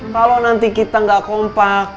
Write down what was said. kalau nanti kita nggak kompak